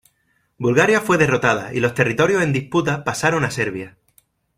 Bulgaria fue derrotada y los territorios en disputa pasaron a Serbia.